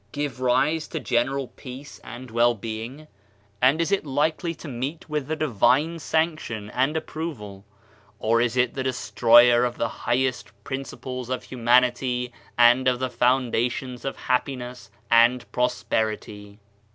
71 Digitized by Google MYSTERIOUS FORCES give rise to general peace and well being, and is it likely to meet with the divine sanction and ap proval? Or is it the destroyer of the highest prin ciples of humanity and of the foundations of hap piness and prosperity?